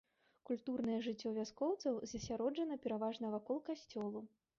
Культурнае жыццё вяскоўцаў засяроджана пераважна вакол касцёлу.